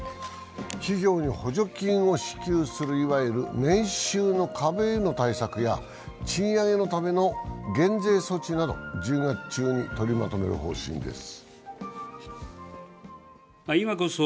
企業に補助金を支給するいわゆる年収の壁への対策や賃上げのための減税措置など１０月中に取りまとめる方針です。